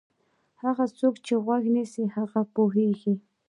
هغه څوک چې غوږ نیسي هغه پوهېږي.